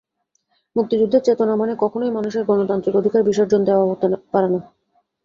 মুক্তিযুদ্ধের চেতনা মানে কখনোই মানুষের গণতান্ত্রিক অধিকার বিসর্জন দেওয়া হতে পারে না।